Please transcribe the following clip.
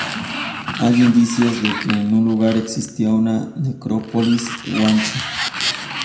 Hay indicios de que en ese lugar existía una necrópolis guanche.